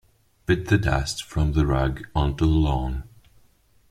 Beat the dust from the rug onto the lawn.